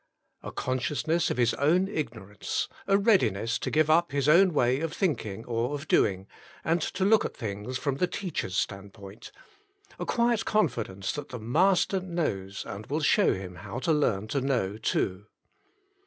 A consciousness of his own ignorance, a readiness to give up his own way of thinking or of doing, and to look at things from the teacher^s stand point, a quiet confidence that the master knows and will show him how to learn to know too.